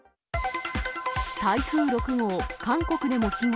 台風６号、韓国でも被害。